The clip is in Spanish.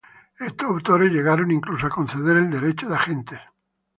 Estos autores llegaron incluso a conceder el derecho de gentes.